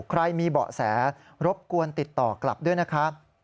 ใครมีเบาะแสรบกวนติดต่อกลับด้วยนะครับ